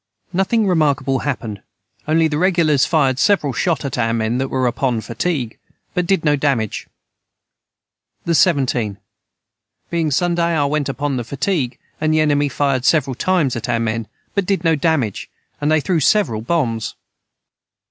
Nothing remarkable hapened only the regulars fired several Shot at our men that were upon fatigue but did no Damage. the 17. Being Sunday I went upon the fatigue and the enemy fired several times at our men but did no Damage and they threw several Bombs.